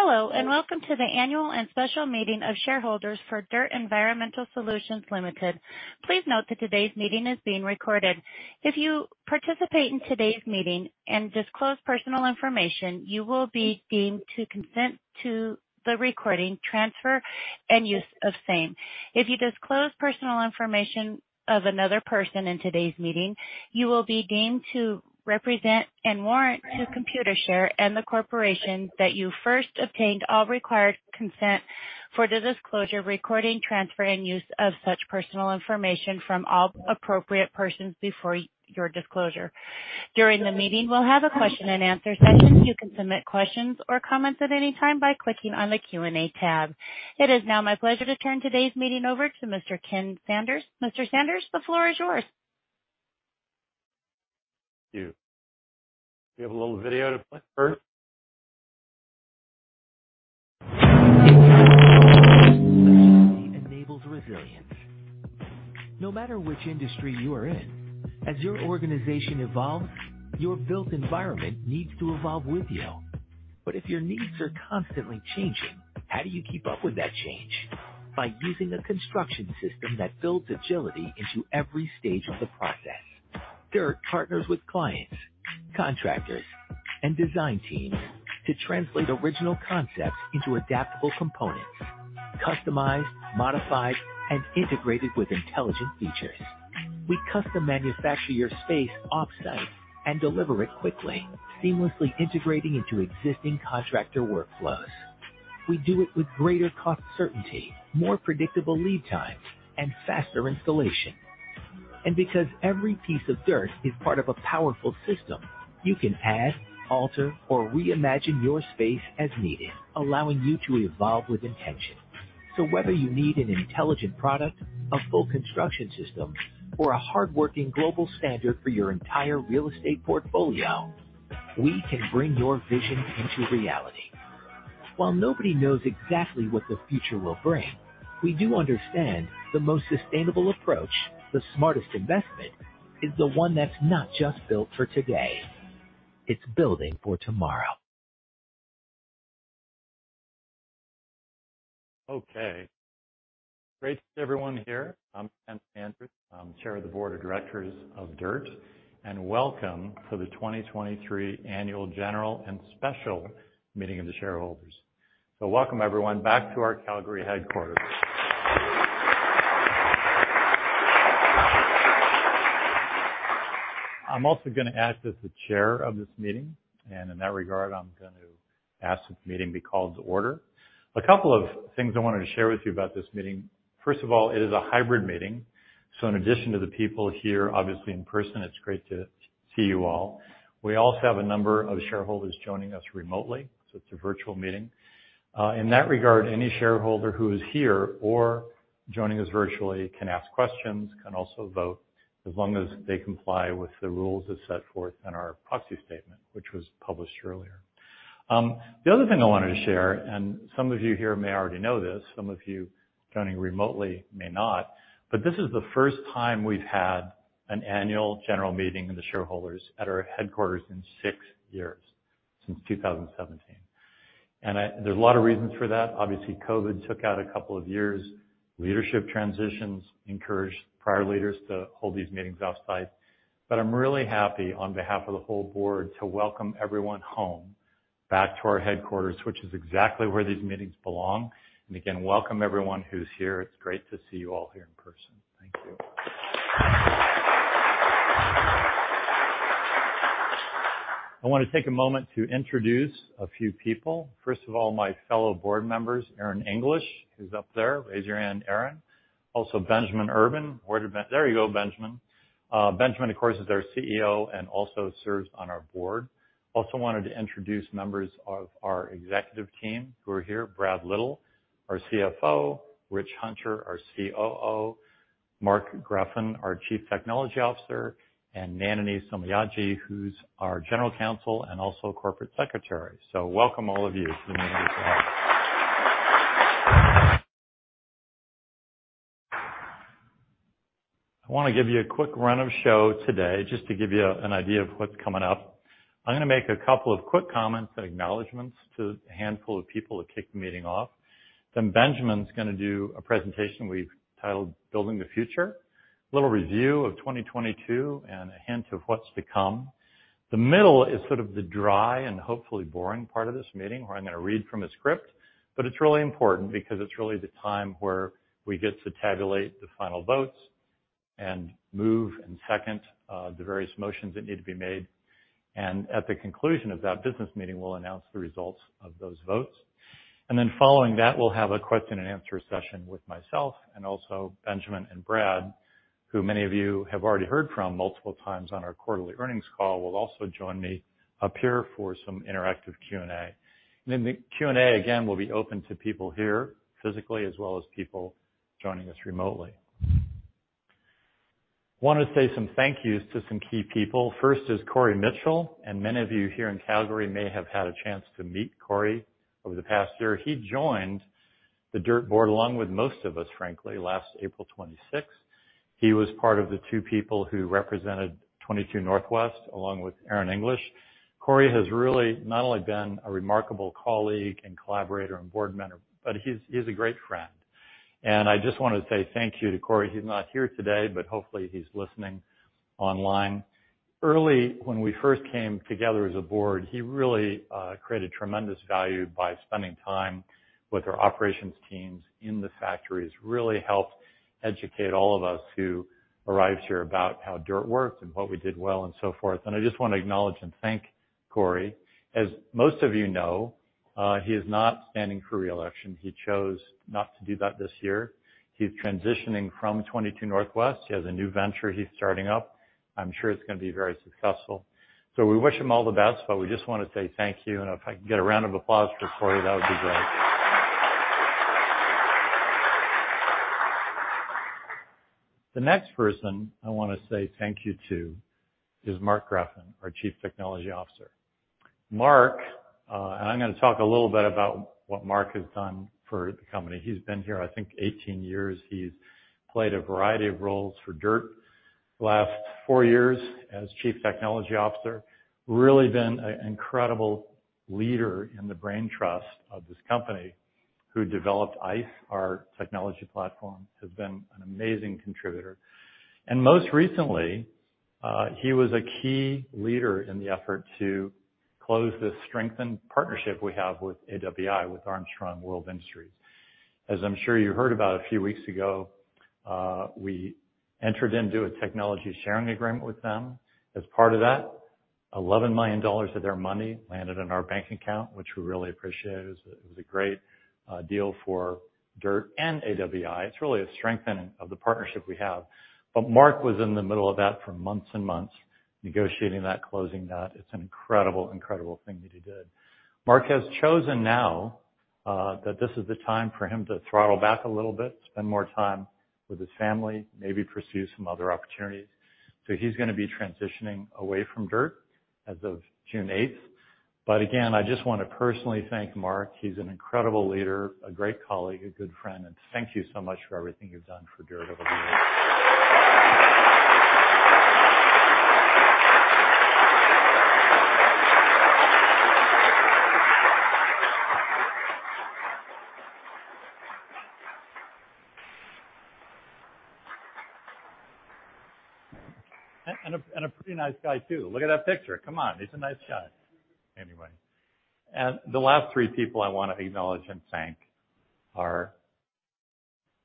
Hello, and welcome to the annual and special meeting of shareholders for DIRTT Environmental Solutions Ltd. Please note that today's meeting is being recorded. If you participate in today's meeting and disclose personal information, you will be deemed to consent to the recording, transfer, and use of same. If you disclose personal information of another person in today's meeting, you will be deemed to represent and warrant to Computershare and the corporation that you first obtained all required consent for the disclosure, recording, transfer, and use of such personal information from all appropriate persons before your disclosure. During the meeting, we'll have a question and answer session. You can submit questions or comments at any time by clicking on the Q&A tab. It is now my pleasure to turn today's meeting over to Mr. Ken Sanders. Mr. Sanders, the floor is yours. Thank you. Do we have a little video to play first? Agility enables resilience. No matter which industry you are in, as your organization evolves, your built environment needs to evolve with you. If your needs are constantly changing, how do you keep up with that change? By using a construction system that builds agility into every stage of the process. DIRTT partners with clients, contractors, and design teams to translate original concepts into adaptable components, customized, modified, and integrated with intelligent features. We custom manufacture your space off-site and deliver it quickly, seamlessly integrating into existing contractor workflows. We do it with greater cost certainty, more predictable lead times, and faster installation. Because every piece of DIRTT is part of a powerful system, you can add, alter, or reimagine your space as needed, allowing you to evolve with intention. Whether you need an intelligent product, a full construction system, or a hardworking global standard for your entire real estate portfolio, we can bring your vision into reality. While nobody knows exactly what the future will bring, we do understand the most sustainable approach, the smartest investment, is the one that's not just built for today, it's building for tomorrow. Okay. Great to see everyone here. I'm Ken Sanders. I'm Chair of the Board of Directors of DIRTT, and welcome to the 2023 Annual General and Special Meeting of the Shareholders. Welcome, everyone, back to our Calgary headquarters. I'm also going to act as the chair of this meeting, and in that regard, I'm going to ask that the meeting be called to order. A couple of things I wanted to share with you about this meeting. First of all, it is a hybrid meeting, so in addition to the people here, obviously in person, it's great to see you all. We also have a number of shareholders joining us remotely, so it's a virtual meeting. In that regard, any shareholder who is here or joining us virtually can ask questions, can also vote, as long as they comply with the rules as set forth in our proxy statement, which was published earlier. The other thing I wanted to share, and some of you here may already know this, some of you joining remotely may not, this is the first time we've had an annual general meeting of the shareholders at our headquarters in six years, since 2017. There's a lot of reasons for that. Obviously, COVID took out a couple of years. Leadership transitions encouraged prior leaders to hold these meetings off-site. I'm really happy on behalf of the whole board to welcome everyone home back to our headquarters, which is exactly where these meetings belong. Again, welcome everyone who's here. It's great to see you all here in person. Thank you. I want to take a moment to introduce a few people. First of all, my fellow board members, Aron English, who's up there. Raise your hand, Aron. Benjamin Urban. There you go, Benjamin. Benjamin, of course, is our CEO and also serves on our board. Wanted to introduce members of our executive team who are here. Brad Little, our CFO, Richard Hunter, our COO, Mark Greffen, our Chief Technology Officer, and Nandini Somayaji, who's our General Counsel and also Corporate Secretary. Welcome all of you to the meeting as well. I want to give you a quick run of show today, just to give you an idea of what's coming up. I'm going to make a couple of quick comments and acknowledgments to a handful of people to kick the meeting off. Benjamin's going to do a presentation we've titled "Building the Future," a little review of 2022 and a hint of what's to come. The middle is sort of the dry and hopefully boring part of this meeting, where I'm going to read from a script. It's really important because it's really the time where we get to tabulate the final votes and move and second the various motions that need to be made. At the conclusion of that business meeting, we'll announce the results of those votes. Following that, we'll have a question and answer session with myself and also Benjamin and Brad, who many of you have already heard from multiple times on our quarterly earnings call, will also join me up here for some interactive Q&A. The Q&A, again, will be open to people here physically as well as people joining us remotely. Want to say some thank you's to some key people. First is Cory Mitchell. Many of you here in Calgary may have had a chance to meet Cory over the past year. The DIRTT board, along with most of us frankly, last April 26th. He was part of the two people who represented 22NW, along with Aron English. Cory has really not only been a remarkable colleague and collaborator and board member, but he's a great friend. I just want to say thank you to Cory. He's not here today, but hopefully he's listening online. Early, when we first came together as a board, he really created tremendous value by spending time with our operations teams in the factories, really helped educate all of us who arrived here about how DIRTT works and what we did well and so forth. I just want to acknowledge and thank Cory Mitchell. As most of you know, he is not standing for reelection. He chose not to do that this year. He's transitioning from 22NW. He has a new venture he's starting up. I'm sure it's going to be very successful. We wish him all the best, but we just want to say thank you. If I can get a round of applause for Cory Mitchell, that would be great. The next person I want to say thank you to is Mark Greffen, our Chief Technology Officer. Mark, I'm going to talk a little bit about what Mark has done for the company. He's been here, I think 18 years. He's played a variety of roles for DIRTT. The last four years as Chief Technology Officer, really been an incredible leader in the brain trust of this company, who developed ICE, our technology platform, has been an amazing contributor. Most recently, he was a key leader in the effort to close this strengthened partnership we have with AWI, with Armstrong World Industries. As I'm sure you heard about a few weeks ago, we entered into a technology sharing agreement with them. As part of that, 11 million dollars of their money landed in our bank account, which we really appreciate. It was a great deal for DIRTT and AWI. It's really a strengthening of the partnership we have. Mark was in the middle of that for months and months, negotiating that, closing that. It's an incredible thing that he did. Mark has chosen now, that this is the time for him to throttle back a little bit, spend more time with his family, maybe pursue some other opportunities. He's going to be transitioning away from DIRTT as of June 8th. Again, I just want to personally thank Mark. He's an incredible leader, a great colleague, a good friend, and thank you so much for everything you've done for DIRTT over the years. A pretty nice guy, too. Look at that picture. Come on. He's a nice guy. Anyway. The last three people I want to acknowledge and thank are,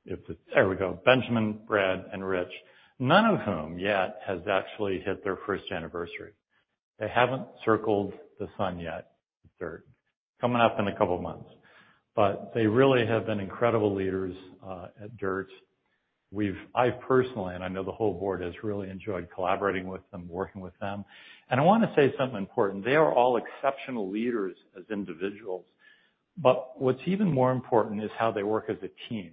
there we go, Benjamin, Brad, and Rich. None of whom, yet, has actually hit their first anniversary. They haven't circled the sun yet at DIRTT, coming up in a couple of months. They really have been incredible leaders at DIRTT. I personally, and I know the whole board has really enjoyed collaborating with them, working with them. I want to say something important. They are all exceptional leaders as individuals. What's even more important is how they work as a team,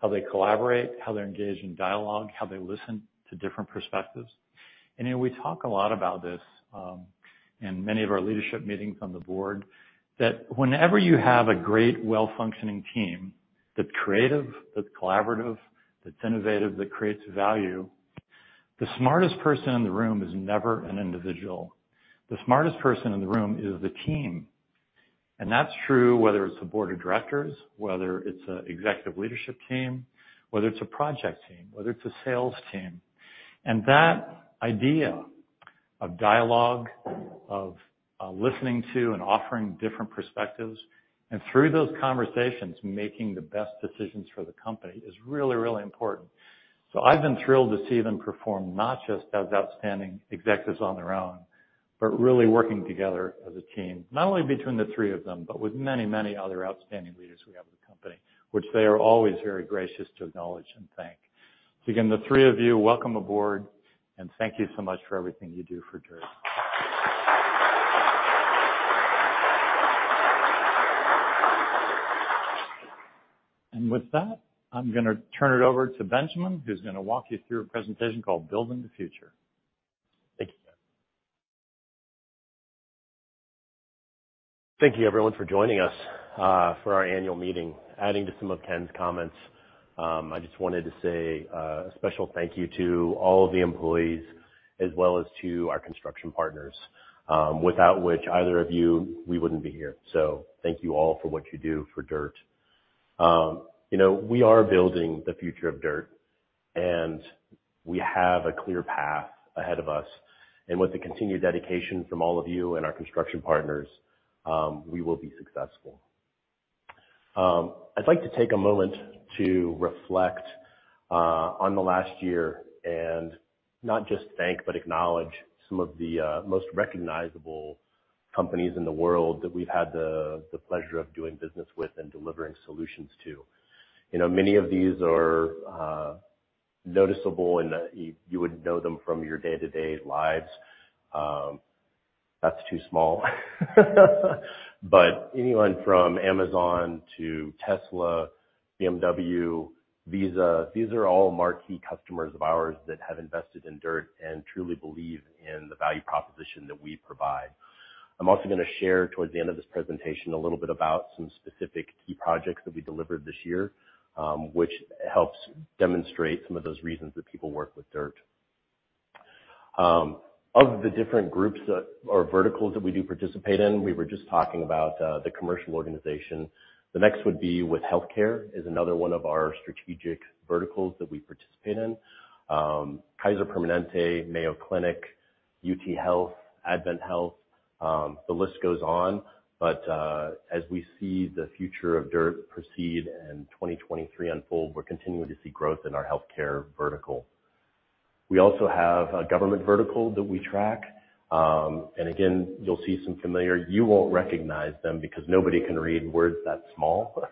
how they collaborate, how they engage in dialogue, how they listen to different perspectives. We talk a lot about this in many of our leadership meetings on the board, that whenever you have a great, well-functioning team that's creative, that's collaborative, that's innovative, that creates value, the smartest person in the room is never an individual. The smartest person in the room is the team. That's true whether it's a board of directors, whether it's an executive leadership team, whether it's a project team, whether it's a sales team. That idea of dialogue, of listening to and offering different perspectives, and through those conversations, making the best decisions for the company is really, really important. I've been thrilled to see them perform, not just as outstanding executives on their own, but really working together as a team. Not only between the three of them, but with many, many other outstanding leaders we have in the company, which they are always very gracious to acknowledge and thank. Again, the three of you, welcome aboard, and thank you so much for everything you do for DIRTT. With that, I'm going to turn it over to Benjamin, who's going to walk you through a presentation called Building the Future. Thank you. Thank you everyone for joining us for our annual meeting. Adding to some of Ken's comments, I just wanted to say a special thank you to all of the employees as well as to our construction partners, without which either of you, we wouldn't be here. Thank you all for what you do for DIRTT. We are building the future of DIRTT, and we have a clear path ahead of us. With the continued dedication from all of you and our construction partners, we will be successful. I'd like to take a moment to reflect on the last year and not just thank, but acknowledge some of the most recognizable companies in the world that we've had the pleasure of doing business with and delivering solutions to. Many of these are noticeable and you would know them from your day-to-day lives. That's too small. Anyone from Amazon to Tesla, BMW, Visa, these are all marquee customers of ours that have invested in DIRTT and truly believe in the value proposition that we provide. I'm also going to share, towards the end of this presentation, a little bit about some specific key projects that we delivered this year, which helps demonstrate some of those reasons that people work with DIRTT. Of the different groups or verticals that we do participate in, we were just talking about the commercial organization. The next would be with healthcare, is another one of our strategic verticals that we participate in. Kaiser Permanente, Mayo Clinic, UT Health, AdventHealth, the list goes on. As we see the future of DIRTT proceed and 2023 unfold, we're continuing to see growth in our healthcare vertical. We also have a government vertical that we track. Again, you'll see some familiar You won't recognize them because nobody can read words that small.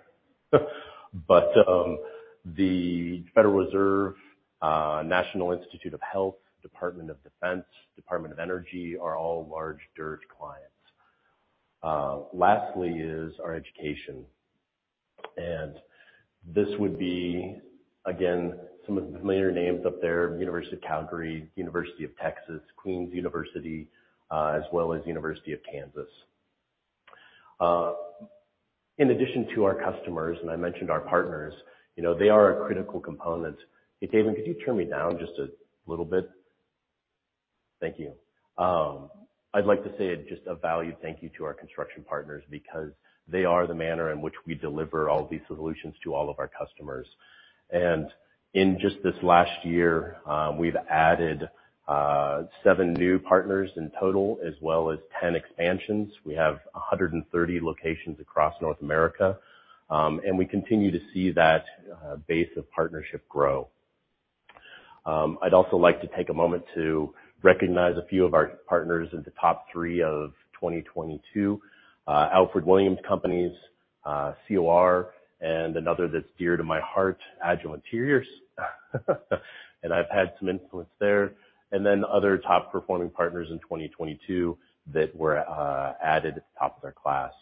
The Federal Reserve, National Institutes of Health, Department of Defense, Department of Energy are all large DIRTT clients. Lastly is our education. This would be, again, some of the familiar names up there, University of Calgary, University of Texas, Queen's University, as well as University of Kansas. In addition to our customers, and I mentioned our partners, they are a critical component. Hey, David, could you turn me down just a little bit? Thank you. I'd like to say just a valued thank you to our construction partners because they are the manner in which we deliver all of these solutions to all of our customers. In just this last year, we've added seven new partners in total as well as 10 expansions. We have 130 locations across North America. We continue to see that base of partnership grow. I'd also like to take a moment to recognize a few of our partners in the top 3 of 2022. Alfred Williams & Company, COR, and another that's dear to my heart, Agile Interiors. I've had some influence there. Then other top-performing partners in 2022 that were added at the top of their class.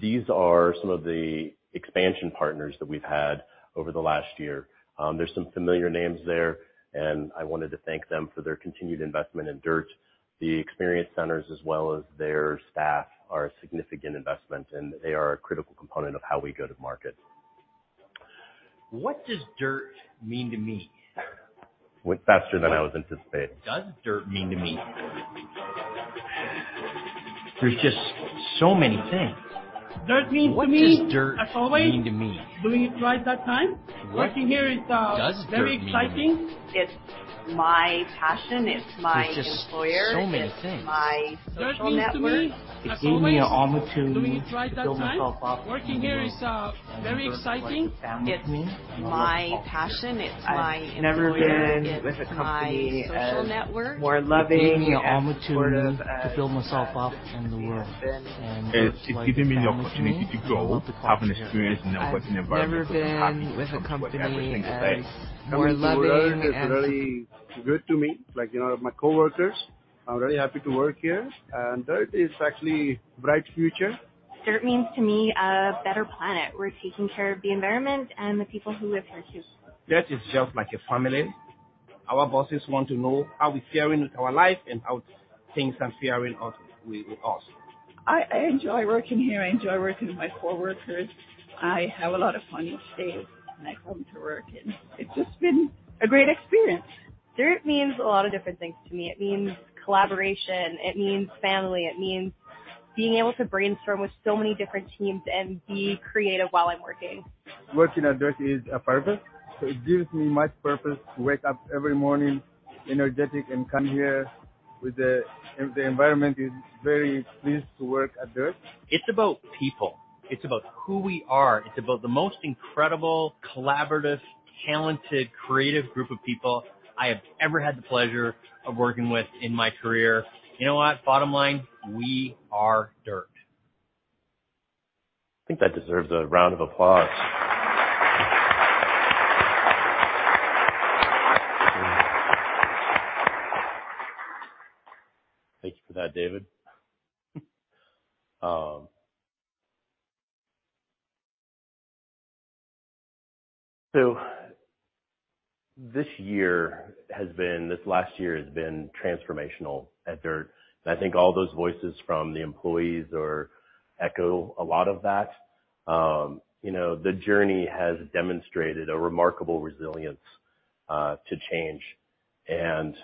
These are some of the expansion partners that we've had over the last year. There's some familiar names there, and I wanted to thank them for their continued investment in DIRTT. The experience centers as well as their staff are a significant investment, and they are a critical component of how we go to market. What does DIRTT mean to me? Went faster than I was anticipating. What does DIRTT mean to me? There's just so many things. DIRTT means to me. What does DIRTT-? As always. Mean to me? Doing it right that time. What- Working here is- Does DIRTT mean to me? Very exciting. It's my passion, it's my employer. There's just so many things. It's my social network. DIRTT means to me, as always. It gave me an opportunity to build myself up in the world, and DIRTT is like a family to me and I love to talk to everyone. It's my passion, it's my employer. As always. It's my social network. Doing it right that time. I've never been with a company as more loving and supportive as DIRTT has been. It's my passion, it's my employer. It's given me the opportunity to grow, have an experience in a working environment which I'm happy with, from what everything says. Working for DIRTT is very good to me, like all of my coworkers. I'm very happy to work here, and DIRTT is actually a bright future. DIRTT means to me a better planet. We're taking care of the environment and the people who live here too. DIRTT is just like a family. Our bosses want to know how we're faring with our life and how things are faring with us. I enjoy working here. I enjoy working with my coworkers. I have a lot of fun each day when I come to work, and it's just been a great experience. DIRTT means a lot of different things to me. It means collaboration, it means family, it means being able to brainstorm with so many different teams and be creative while I'm working. Working at DIRTT is a purpose. It gives me much purpose to wake up every morning energetic. The environment is very pleased to work at DIRTT. It's about people. It's about who we are. It's about the most incredible, collaborative, talented, creative group of people I have ever had the pleasure of working with in my career. You know what? Bottom line, we are DIRTT. I think that deserves a round of applause. Thank you for that, David. This last year has been transformational at DIRTT. I think all those voices from the employees echo a lot of that. The journey has demonstrated a remarkable resilience, to change, and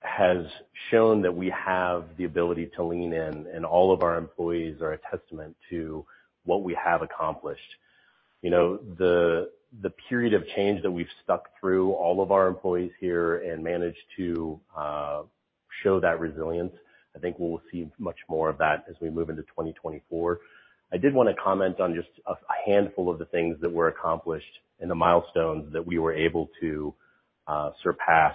has shown that we have the ability to lean in, and all of our employees are a testament to what we have accomplished. The period of change that we've stuck through, all of our employees here, and managed to show that resilience, I think we will see much more of that as we move into 2024. I did want to comment on just a handful of the things that were accomplished and the milestones that we were able to surpass.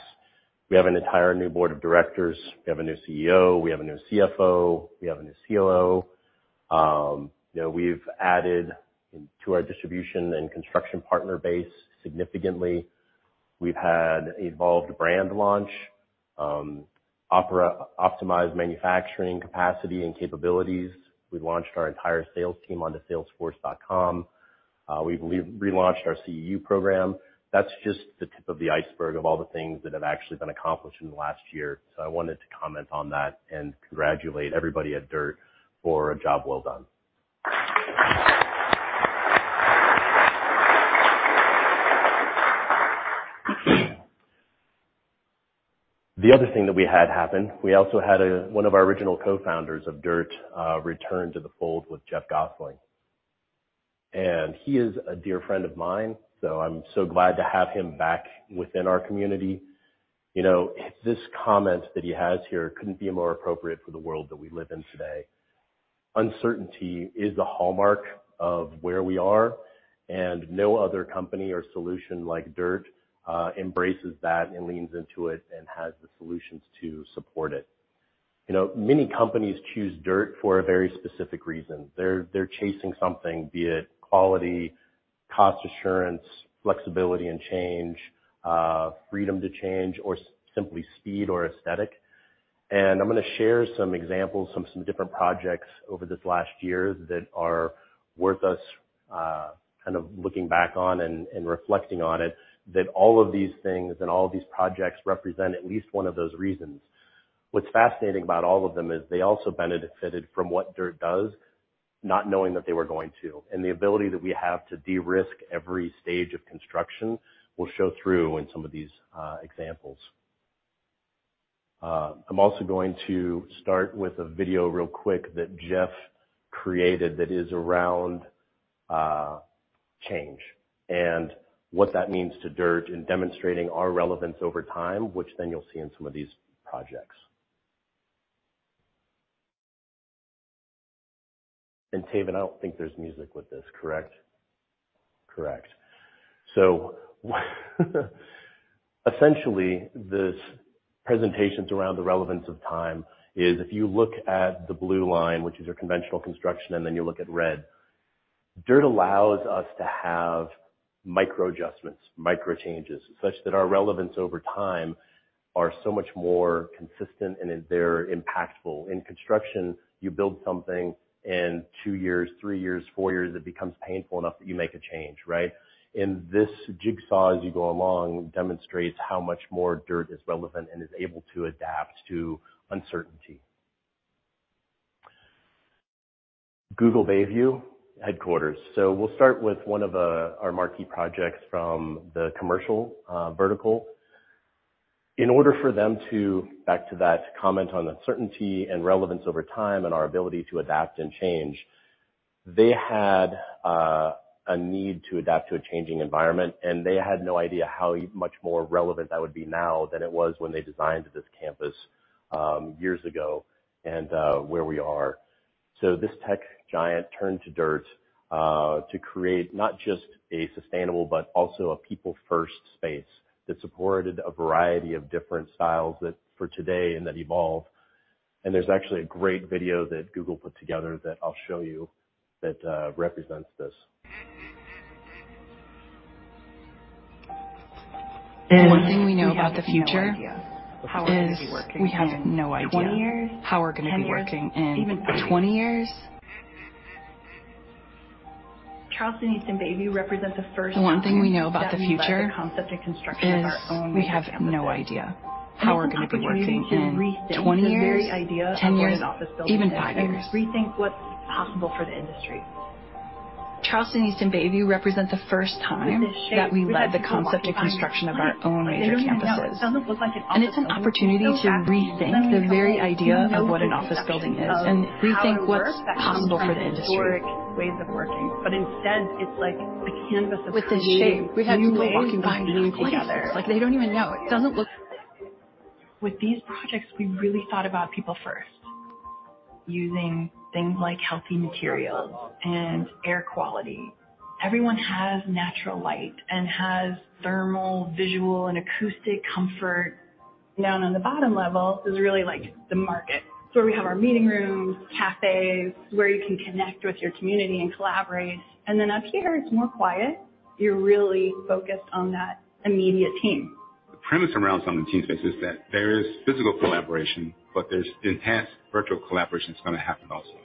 We have an entire new board of directors. We have a new CEO, we have a new CFO, we have a new COO. We've added to our distribution and construction partner base significantly. We've had evolved brand launch, optimized manufacturing capacity and capabilities. We've launched our entire sales team onto salesforce.com. We've relaunched our CEU program. That's just the tip of the iceberg of all the things that have actually been accomplished in the last year. I wanted to comment on that and congratulate everybody at DIRTT for a job well done. The other thing that we had happen, we also had one of our original co-founders of DIRTT, return to the fold with Geoff Gosling. He is a dear friend of mine, so I'm so glad to have him back within our community. This comment that he has here couldn't be more appropriate for the world that we live in today. Uncertainty is the hallmark of where we are, no other company or solution like DIRTT, embraces that and leans into it and has the solutions to support it. Many companies choose DIRTT for a very specific reason. They're chasing something, be it quality, cost assurance, flexibility and change, freedom to change, or simply speed or aesthetic. I'm going to share some examples from some different projects over this last year that are worth us looking back on and reflecting on it, that all of these things and all of these projects represent at least one of those reasons. What's fascinating about all of them is they also benefited from what DIRTT does, not knowing that they were going to. The ability that we have to de-risk every stage of construction will show through in some of these examples. I'm also going to start with a video real quick that Geoff created that is around change and what that means to DIRTT in demonstrating our relevance over time, which then you'll see in some of these projects. Taven, I don't think there's music with this, correct? Correct. Essentially, this presentation's around the relevance of time is if you look at the blue line, which is your conventional construction, and then you look at red, DIRTT allows us to have micro adjustments, micro changes, such that our relevance over time are so much more consistent and they're impactful. In construction, you build something in two years, three years, four years, it becomes painful enough that you make a change, right? In this jigsaw, as you go along, demonstrates how much more DIRTT is relevant and is able to adapt to uncertainty. Google Bay View headquarters. We'll start with one of our marquee projects from the commercial vertical. In order for them to, back to that comment on uncertainty and relevance over time and our ability to adapt and change, they had a need to adapt to a changing environment, and they had no idea how much more relevant that would be now than it was when they designed this campus years ago and where we are. This tech giant turned to DIRTT, to create not just a sustainable, but also a people-first space that supported a variety of different styles that for today and that evolve. There's actually a great video that Google put together that I'll show you that represents this. One thing we know about the future is we have no idea how we're going to be working in 20 years. Charleston East and Bay View represent the first time that we led the concept and construction of our own major campuses. It's an opportunity to rethink the very idea of what an office building is and rethink what's possible for the industry. Charleston East and Bay View represent the first time that we led the concept and construction of our own major campuses. It's an opportunity to rethink the very idea of what an office building is and rethink what's possible for the industry. With this shape, we have new ways of finding new places. Like they don't even know. With these projects, we really thought about people first, using things like healthy materials and air quality. Everyone has natural light and has thermal, visual, and acoustic comfort. Down on the bottom level is really like the market. It's where we have our meeting rooms, cafes, where you can connect with your community and collaborate. Up here, it's more quiet. You're really focused on that immediate team. The premise around some of the team space is that there is physical collaboration, but there's enhanced virtual collaboration that's going to happen also.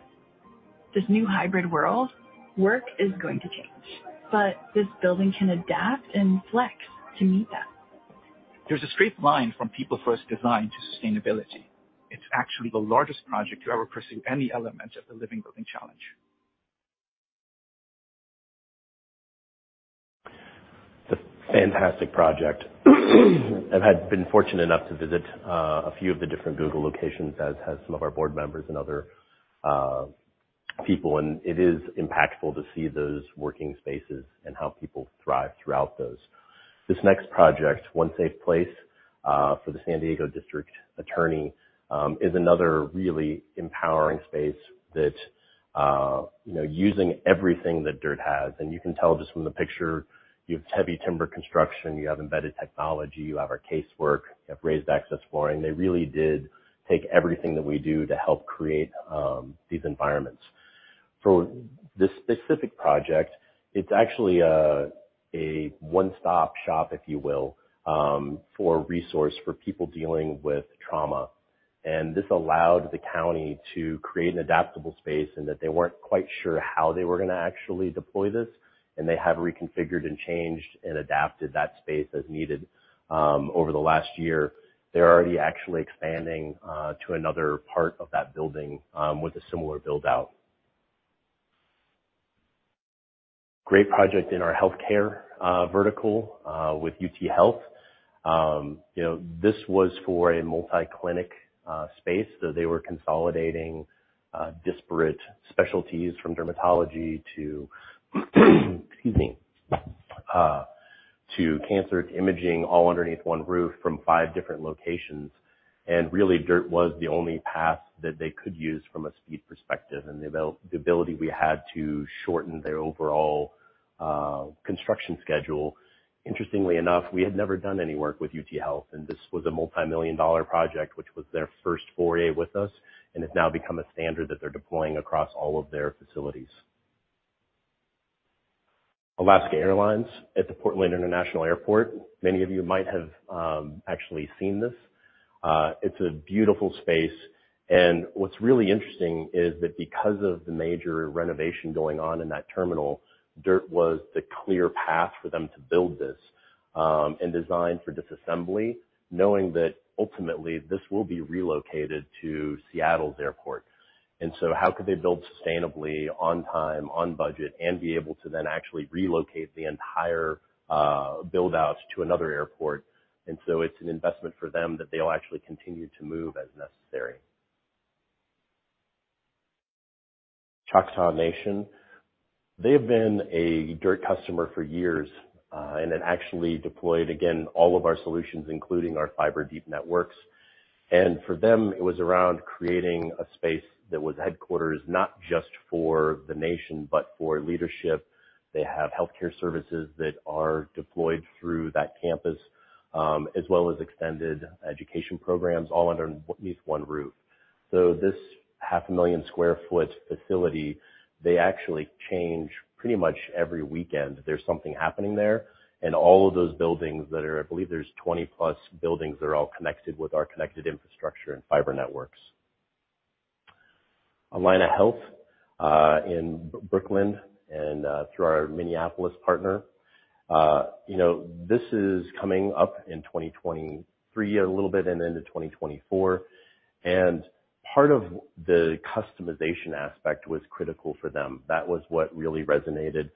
This new hybrid world, work is going to change. This building can adapt and flex to meet that. There's a straight line from people-first design to sustainability. It's actually the largest project to ever pursue any element of the Living Building Challenge. It's a fantastic project. I've been fortunate enough to visit a few of the different Google locations, as has some of our board members and other people, and it is impactful to see those working spaces and how people thrive throughout those. This next project, One Safe Place, for the San Diego County District Attorney's Office, is another really empowering space that using everything that DIRTT has. You can tell just from the picture, you have heavy timber construction, you have embedded technology, you have our casework, you have raised access flooring. They really did take everything that we do to help create these environments. For this specific project, it's actually a one-stop shop, if you will, for resource for people dealing with trauma. This allowed the county to create an adaptable space and that they weren't quite sure how they were going to actually deploy this, and they have reconfigured and changed and adapted that space as needed. Over the last year, they're already actually expanding to another part of that building with a similar build-out. Great project in our healthcare vertical with UT Health. This was for a multi-clinic space. They were consolidating disparate specialties from dermatology to excuse me, to cancer imaging all underneath one roof from five different locations. Really, DIRTT was the only path that they could use from a speed perspective, and the ability we had to shorten their overall construction schedule. Interestingly enough, we had never done any work with UT Health. This was a multimillion CAD project, which was their first foray with us and has now become a standard that they're deploying across all of their facilities. Alaska Airlines at the Portland International Airport. Many of you might have actually seen this. It's a beautiful space. What's really interesting is that because of the major renovation going on in that terminal, DIRTT was the clear path for them to build this, designed for disassembly, knowing that ultimately this will be relocated to Seattle's airport. How could they build sustainably on time, on budget, and be able to then actually relocate the entire build-outs to another airport. It's an investment for them that they'll actually continue to move as necessary. Choctaw Nation. They've been a DIRTT customer for years, then actually deployed, again, all of our solutions, including our fiber deep networks. For them, it was around creating a space that was headquarters, not just for the nation, but for leadership. They have healthcare services that are deployed through that campus, as well as extended education programs all underneath one roof. This half a million square foot facility, they actually change pretty much every weekend. There's something happening there. All of those buildings that are, I believe there's 20+ buildings that are all connected with our connected infrastructure and fiber networks. Allina Health in Brooklyn Park and through our Minneapolis partner. This is coming up in 2023 a little bit and into 2024. Part of the customization aspect was critical for them. That was what really resonated,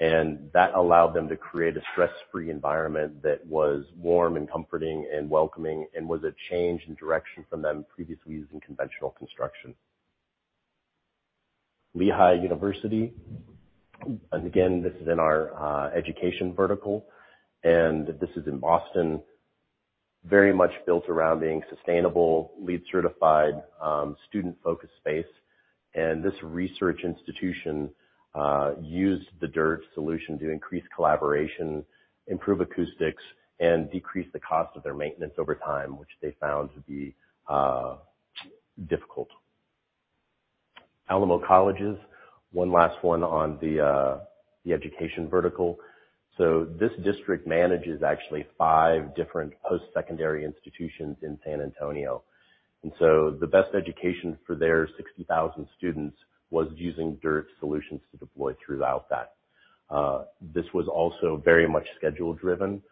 and that allowed them to create a stress-free environment that was warm and comforting and welcoming and was a change in direction from them previously using conventional construction. Lehigh University. Again, this is in our education vertical, and this is in Boston. Very much built around being sustainable, LEED certified, student-focused space. This research institution used the DIRTT solution to increase collaboration, improve acoustics, and decrease the cost of their maintenance over time, which they found to be difficult. Alamo Colleges. One last one on the education vertical. This district manages actually five different post-secondary institutions in San Antonio. The best education for their 60,000 students was using DIRTT solutions to deploy throughout that. This was also very much schedule-driven,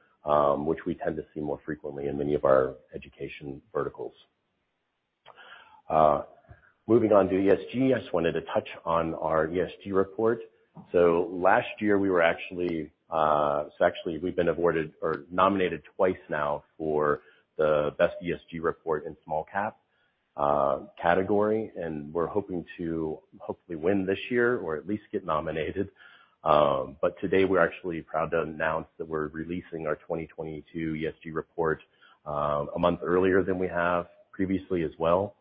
which we tend to see more frequently in many of our education verticals. Moving on to ESG. I just wanted to touch on our ESG report. Last year, we've been awarded or nominated twice now for the best ESG report in small cap category, and we're hoping to hopefully win this year or at least get nominated. Today, we're actually proud to announce that we're releasing our 2022 ESG report, a month earlier than we have previously as well.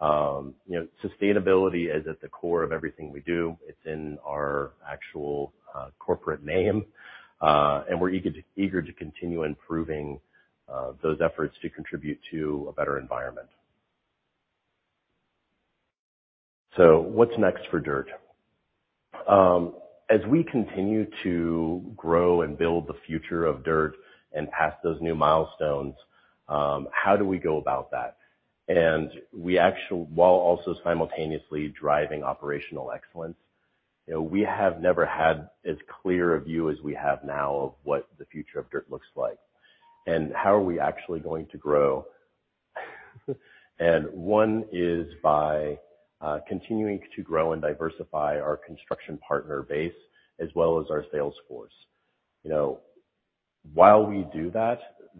Sustainability is at the core of everything we do. It's in our actual corporate name. We're eager to continue improving those efforts to contribute to a better environment. What's next for DIRTT? As we continue to grow and build the future of DIRTT and pass those new milestones, how do we go about that? While also simultaneously driving operational excellence. We have never had as clear a view as we have now of what the future of DIRTT looks like, and how are we actually going to grow. One is by continuing to grow and diversify our construction partner base as well as our sales force. While we do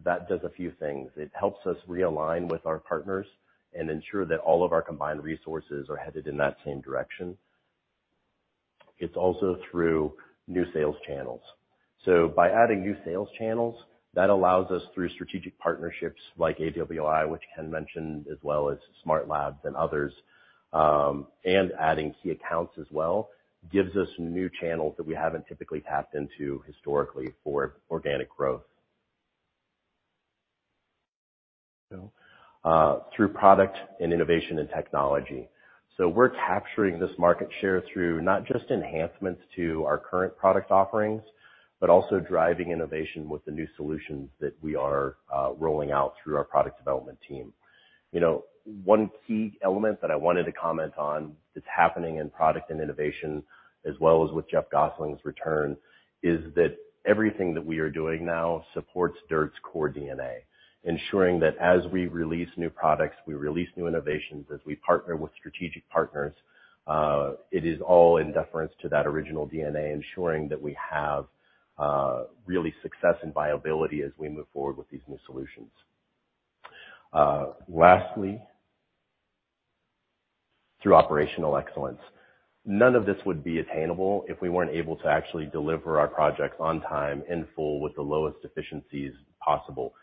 that does a few things. It helps us realign with our partners and ensure that all of our combined resources are headed in that same direction. It's also through new sales channels. By adding new sales channels, that allows us through strategic partnerships like AWI, which Ken mentioned, as well as SmartLabs and others, and adding key accounts as well, gives us new channels that we haven't typically tapped into historically for organic growth. Through product and innovation and technology. We're capturing this market share through not just enhancements to our current product offerings, but also driving innovation with the new solutions that we are rolling out through our product development team. One key element that I wanted to comment on that's happening in product and innovation, as well as with Geoff Gosling's return, is that everything that we are doing now supports DIRTT's core DNA, ensuring that as we release new products, we release new innovations, as we partner with strategic partners, it is all in deference to that original DNA, ensuring that we have really success and viability as we move forward with these new solutions. Lastly, through operational excellence. None of this would be attainable if we weren't able to actually deliver our projects on time, in full, with the lowest efficiencies possible.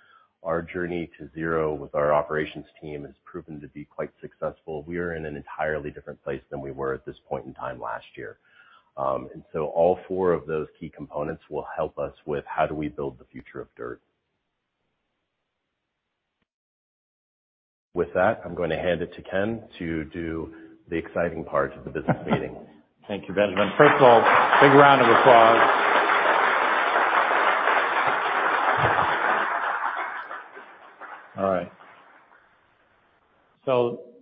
Our journey to zero with our operations team has proven to be quite successful. We are in an entirely different place than we were at this point in time last year. All four of those key components will help us with how do we build the future of DIRTT. With that, I'm going to hand it to Ken to do the exciting part of the business meeting. Thank you, Benjamin. First of all, big round of applause. All right.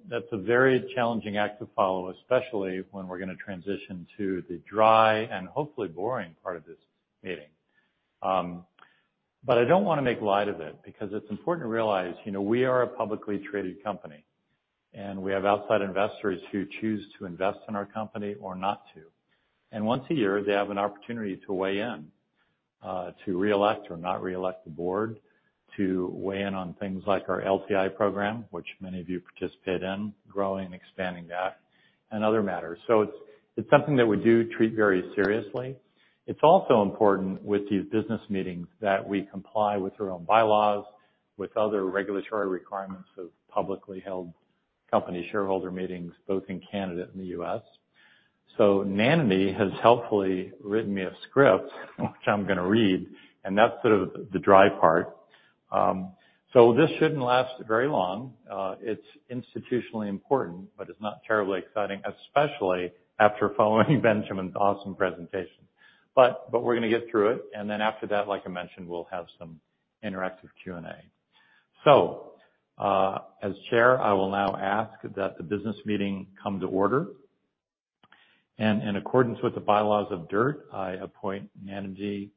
That's a very challenging act to follow, especially when we're going to transition to the dry and hopefully boring part of this meeting. I don't want to make light of it because it's important to realize, we are a publicly traded company, and we have outside investors who choose to invest in our company or not to. Once a year, they have an opportunity to weigh in, to reelect or not reelect the board, to weigh in on things like our LTI program, which many of you participate in, growing and expanding that, and other matters. It's something that we do treat very seriously. It's also important with these business meetings that we comply with our own bylaws, with other regulatory requirements of publicly held company shareholder meetings, both in Canada and the U.S. Nanji has helpfully written me a script, which I am going to read, and that's sort of the dry part. This shouldn't last very long. It's institutionally important, but it's not terribly exciting, especially after following Benjamin's awesome presentation. We're going to get through it. After that, like I mentioned, we'll have some interactive Q&A. As chair, I will now ask that the business meeting come to order. In accordance with the bylaws of DIRTT, I appoint Nandini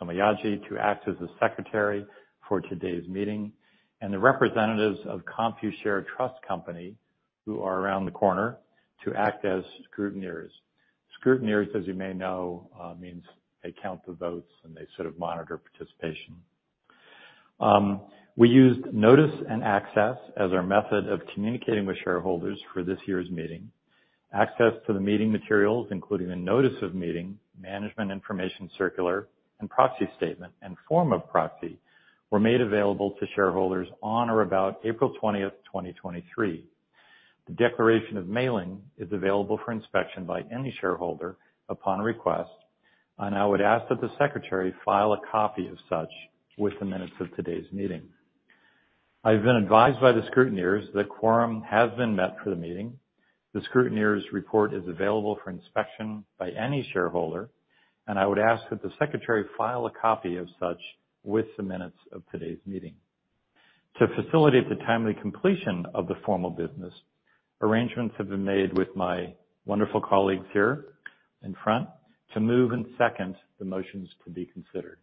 Somayaji to act as the secretary for today's meeting and the representatives of Computershare Trust Company, who are around the corner, to act as scrutineers. Scrutineers, as you may know, means they count the votes and they sort of monitor participation. We used notice and access as our method of communicating with shareholders for this year's meeting. Access to the meeting materials, including the notice of meeting, management information circular, and proxy statement, and form of proxy, were made available to shareholders on or about April 20th, 2023. The declaration of mailing is available for inspection by any shareholder upon request, and I would ask that the secretary file a copy of such with the minutes of today's meeting. I've been advised by the scrutineers that quorum has been met for the meeting. The scrutineers' report is available for inspection by any shareholder, and I would ask that the secretary file a copy of such with the minutes of today's meeting. To facilitate the timely completion of the formal business, arrangements have been made with my wonderful colleagues here in front to move and second the motions to be considered.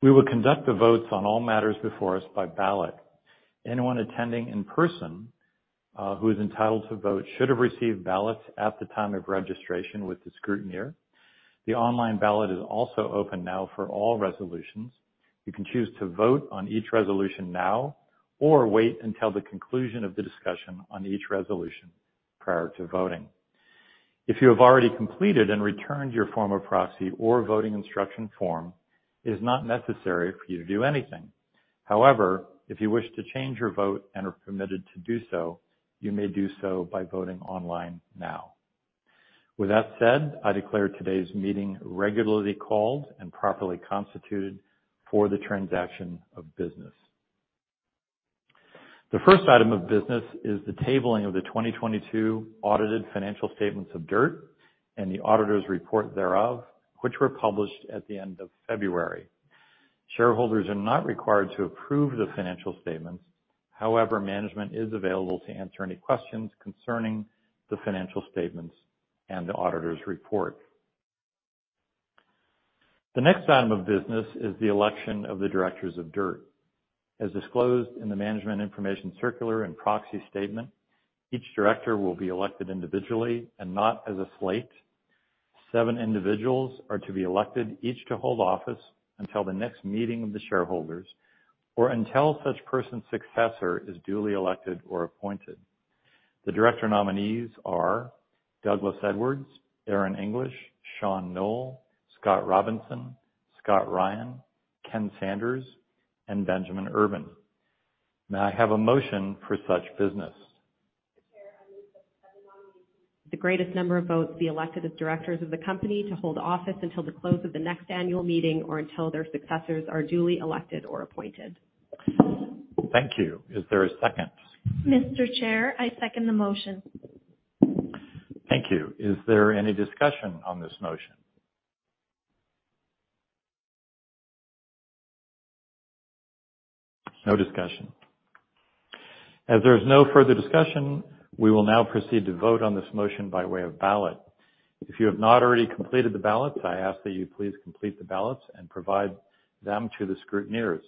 We will conduct the votes on all matters before us by ballot. Anyone attending in person, who is entitled to vote, should have received ballots at the time of registration with the scrutineer. The online ballot is also open now for all resolutions. You can choose to vote on each resolution now or wait until the conclusion of the discussion on each resolution prior to voting. If you have already completed and returned your form of proxy or voting instruction form, it is not necessary for you to do anything. However, if you wish to change your vote and are permitted to do so, you may do so by voting online now. With that said, I declare today's meeting regularly called and properly constituted for the transaction of business. The first item of business is the tabling of the 2022 audited financial statements of DIRTT and the auditor's report thereof, which were published at the end of February. Shareholders are not required to approve the financial statements. However, management is available to answer any questions concerning the financial statements and the auditor's report. The next item of business is the election of the directors of DIRTT. As disclosed in the management information circular and proxy statement, each director will be elected individually and not as a slate. Seven individuals are to be elected, each to hold office until the next meeting of the shareholders or until such person's successor is duly elected or appointed. The director nominees are Douglas Edwards, Aron English, Shaun Noll, Scott Robinson, Scott Ryan, Ken Sanders, and Benjamin Urban. May I have a motion for such business? The greatest number of votes be elected as directors of the company to hold office until the close of the next annual meeting or until their successors are duly elected or appointed. Thank you. Is there a second? Mr. Chair, I second the motion. Thank you. Is there any discussion on this motion? No discussion. As there is no further discussion, we will now proceed to vote on this motion by way of ballot. If you have not already completed the ballot, I ask that you please complete the ballot and provide them to the scrutineers.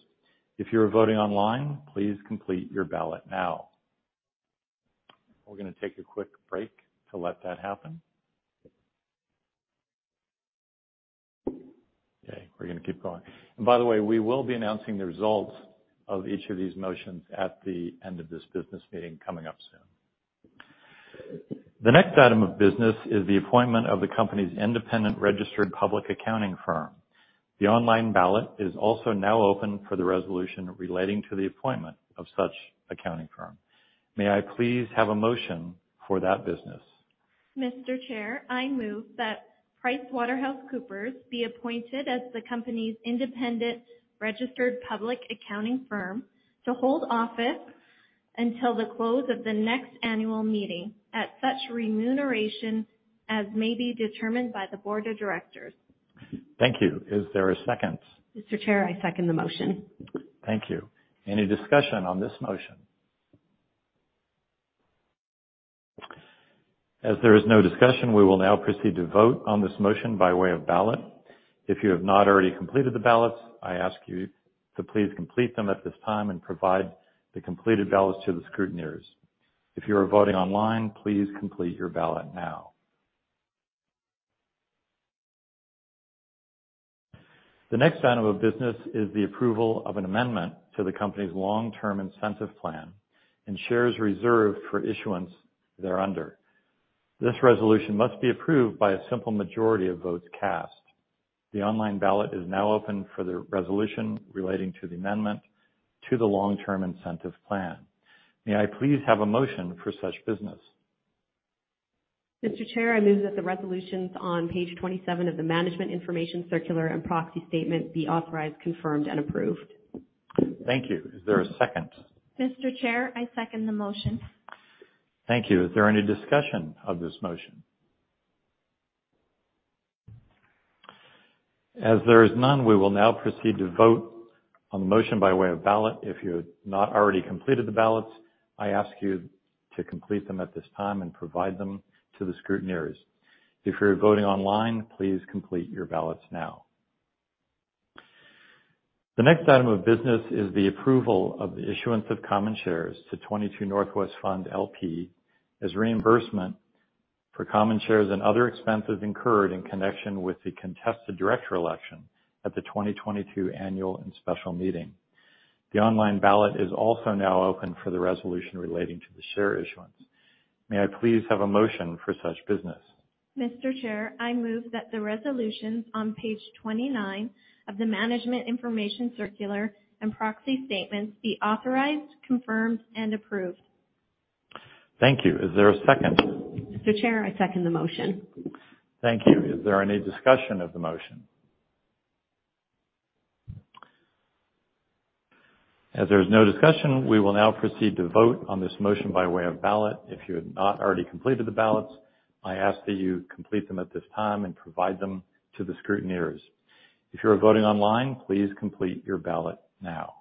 If you are voting online, please complete your ballot now. We're going to take a quick break to let that happen. Okay, we're going to keep going. By the way, we will be announcing the results of each of these motions at the end of this business meeting coming up soon. The next item of business is the appointment of the company's independent registered public accounting firm. The online ballot is also now open for the resolution relating to the appointment of such accounting firm. May I please have a motion for that business? Mr. Chair, I move that PricewaterhouseCoopers be appointed as the company's independent registered public accounting firm to hold office until the close of the next annual meeting at such remuneration as may be determined by the board of directors. Thank you. Is there a second? Mr. Chair, I second the motion. Thank you. Any discussion on this motion? As there is no discussion, we will now proceed to vote on this motion by way of ballot. If you have not already completed the ballots, I ask you to please complete them at this time and provide the completed ballots to the scrutineers. If you are voting online, please complete your ballot now. The next item of business is the approval of an amendment to the company's long-term incentive plan and shares reserved for issuance thereunder. This resolution must be approved by a simple majority of votes cast. The online ballot is now open for the resolution relating to the amendment to the long-term incentive plan. May I please have a motion for such business? Mr. Chair, I move that the resolutions on page 27 of the management information circular and proxy statement be authorized, confirmed, and approved. Thank you. Is there a second? Mr. Chair, I second the motion. Thank you. Is there any discussion of this motion? As there is none, we will now proceed to vote on the motion by way of ballot. If you have not already completed the ballots, I ask you to complete them at this time and provide them to the scrutineers. If you're voting online, please complete your ballots now. The next item of business is the approval of the issuance of common shares to 22NW Fund, LP as reimbursement for common shares and other expenses incurred in connection with the contested director election at the 2022 annual and special meeting. The online ballot is also now open for the resolution relating to the share issuance. May I please have a motion for such business? Mr. Chair, I move that the resolutions on page 29 of the management information circular and proxy statements be authorized, confirmed, and approved. Thank you. Is there a second? Mr. Chair, I second the motion. Thank you. Is there any discussion of the motion? As there is no discussion, we will now proceed to vote on this motion by way of ballot. If you have not already completed the ballots, I ask that you complete them at this time and provide them to the scrutineers. If you are voting online, please complete your ballot now.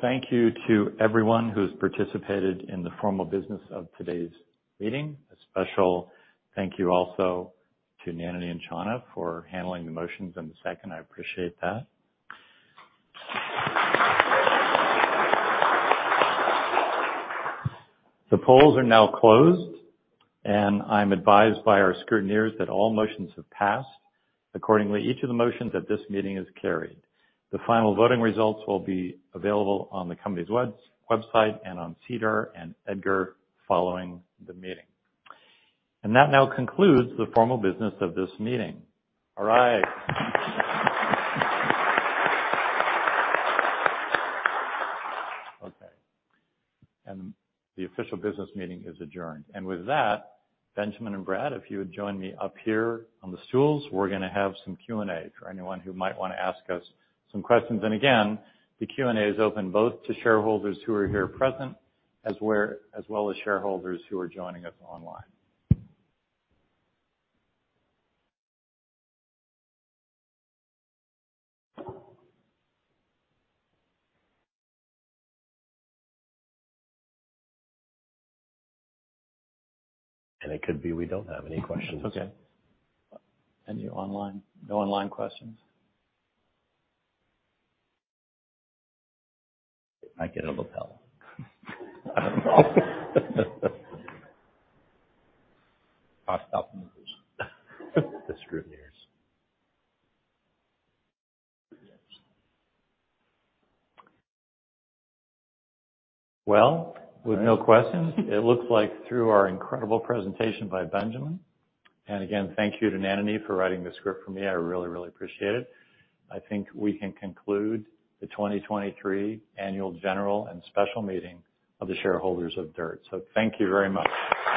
Thank you to everyone who's participated in the formal business of today's meeting. A special thank you also to Nandini and Chana for handling the motions and the second. I appreciate that. The polls are now closed, and I'm advised by our scrutineers that all motions have passed. Accordingly, each of the motions at this meeting is carried. The final voting results will be available on the company's website and on SEDAR and EDGAR following the meeting. That now concludes the formal business of this meeting. All right. Okay. The official business meeting is adjourned. With that, Benjamin and Brad, if you would join me up here on the stools, we're going to have some Q&A for anyone who might want to ask us some questions. Again, the Q&A is open both to shareholders who are here present, as well as shareholders who are joining us online. It could be we don't have any questions. Okay. Any online? No online questions. I get a hotel. Non-stop movers. The scrutineers. Well, with no questions, it looks like through our incredible presentation by Benjamin, and again, thank you to Nandini Somayaji for writing the script for me. I really appreciate it. I think we can conclude the 2023 annual general and special meeting of the shareholders of DIRTT. Thank you very much.